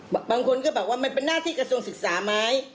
บางคนก็บอกว่ามันเป็นหน้าที่กระทรวงศึกษาไหม